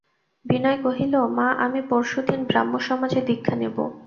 বিনয় কহিল, মা, আমি পরশু দিন ব্রাহ্মসমাজে দীক্ষা নেব।